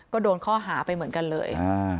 ก็โดนข้อหาไปเหมือนกันเลย